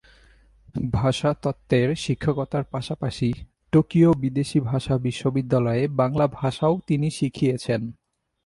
ভাষাতত্ত্বের শিক্ষকতার পাশাপাশি টোকিও বিদেশি ভাষা বিশ্ববিদ্যালয়ে বাংলা ভাষাও তিনি শিখিয়েছেন।